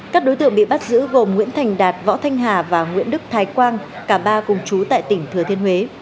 các đối tượng bị bắt giữ gồm nguyễn thành đạt võ thanh hà và nguyễn đức thái quang cả ba cùng chú tại tỉnh thừa thiên huế